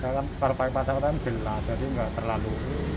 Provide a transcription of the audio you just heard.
saya kan pakai kacamata jelas jadi gak terlalu